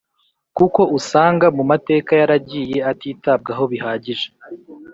kuko usanga mu mateka yaragiye atitabwaho bihagije.